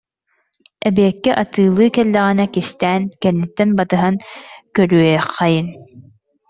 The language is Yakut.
Эбиэккэ атыылыы кэллэҕинэ кистээн, кэнниттэн батыһан көрүөххэйиҥ